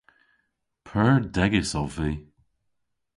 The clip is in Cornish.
Pur degys ov vy.